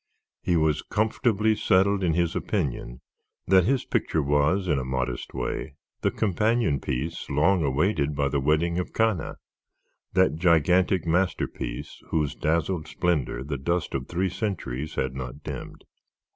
He was comfortably settled in his opinion that his picture was, in a modest way, the companion piece long awaited by the "Wedding of Cana," that gigantic masterpiece whose dazzling splendor the dust of three centuries has not dimmed.